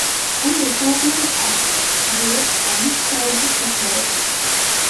And Department of Jute and Fibre Technology.